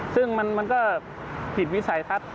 ซึ่งมันก็ผิดวิสัยทัศน์